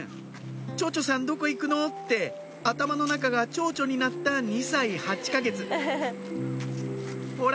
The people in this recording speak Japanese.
「ちょうちょさんどこ行くの？」って頭の中がちょうちょになった２歳８か月ほら！